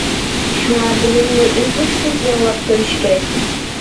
شۇڭا بىلىمنى ئۈزلۈكسىز يېڭىلاپ تۇرۇش كېرەك.